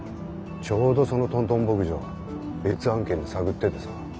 ちょうどそのトントン牧場別案件で探っててさ